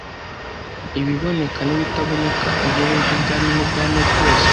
ibiboneka n’ibitaboneka, intebe z’ubwami n’ubwami bwose